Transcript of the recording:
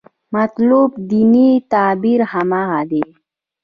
مطلوب دیني تعبیر هماغه دی.